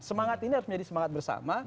semangat ini harus menjadi semangat bersama